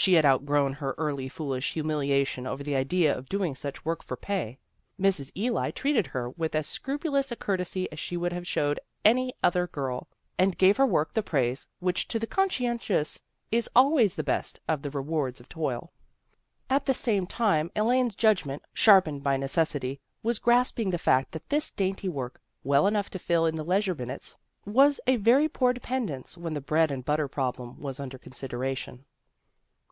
She had outgrown her early foolish humiliation over the idea of doing such work for pay. Mrs. Ely treated her with as scrupulous a courtesy as she would have showed any other girl, and gave her work the ELAINE UPSETS TRADITION 273 praise which to the conscientious is always the best of the rewards of toil. At the same time, Elaine's judgment, sharpened by neces sity, was grasping the fact that this dainty work, well enough to fill in the leisure minutes, was a very poor dependence when the bread and butter problem was under consideration.